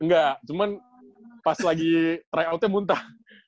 enggak cuman pas lagi try outnya muntah